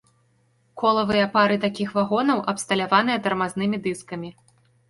Колавыя пары такіх вагонаў абсталяваныя тармазнымі дыскамі.